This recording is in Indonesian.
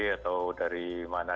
atau dari mana